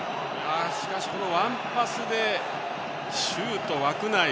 しかしこのワンパスでシュート、枠内。